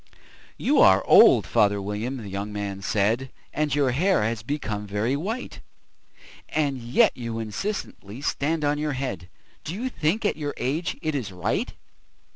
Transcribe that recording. "YOU are old, father William," the young man said, "And your hair has become very white; And yet you incessantly stand on your head Do you think, at your age, it is right?